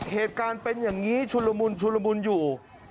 เหตุการณ์เป็นอย่างนี้ชุลมุนอยู่